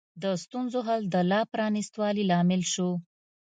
د ستونزو حل د لا پرانیست والي لامل شو.